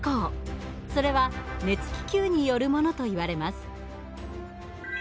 それは熱気球によるものといわれます。